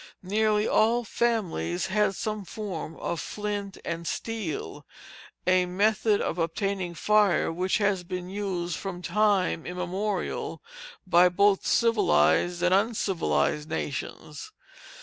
Nearly all families had some form of a flint and steel, a method of obtaining fire which has been used from time immemorial by both civilized and uncivilized nations.